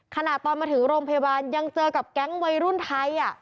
ขณะตอนมาถึงโรงพยาบาลยังเจอกับแก๊งวัยรุ่นไทย